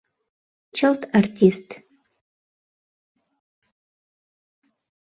Чылт артист!